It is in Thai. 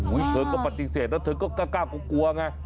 เธอก็ปฏิเสธแล้วเธอก็กล้ากลัวไง